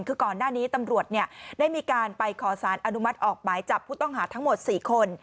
คือก่อนหน้านี้ตำรวจได้มีการไปขอสารอนุมัติออกหมายจับผู้ต้องหาทั้งหมด๔คน